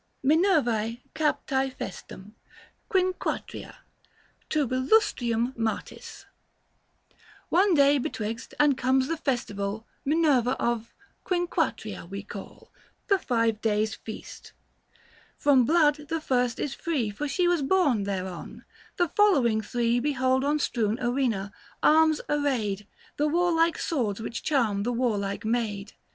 XIV. KAL. APE. MINEEV^E CAPT.E FESTUM. QUINQUATEIA. TUBILUSTEIUM MAETIS. One day betwixt and comes the festival Minerva of — Quinquatria we call 98 THE FASTI. • Book III. The five days' feast. From blood the first is free For she was born thereon : the following three 870 Behold on strewn arena, arms arrayed, The warlike swords which charm the warlike maid.